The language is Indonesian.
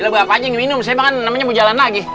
bapak aja yang minum saya makan namanya bujalana gi